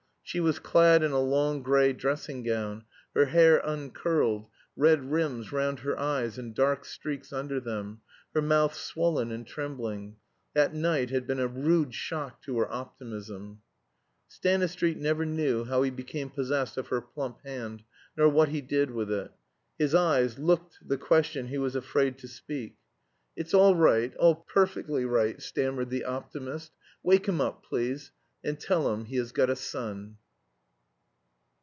She was clad in a long gray dressing gown, her hair uncurled, red rims round her eyes and dark streaks under them, her mouth swollen and trembling. That night had been a rude shock to her optimism. Stanistreet never knew how he became possessed of her plump hand, nor what he did with it. His eyes looked the question he was afraid to speak. "It's all right all per perfectly right," stammered the optimist. "Wake him up, please, and tell him he has got a son."